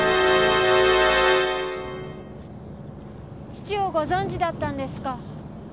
父をご存じだったんですか。